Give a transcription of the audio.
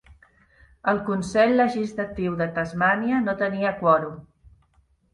El Consell Legislatiu de Tasmània no tenia quòrum.